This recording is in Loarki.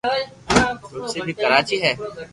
تلسي بي ڪراچي ھي